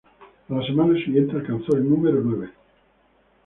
A la semana siguiente alcanzó el número nueve.